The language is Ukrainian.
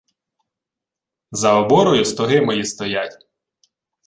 — За оборою стоги мої стоять.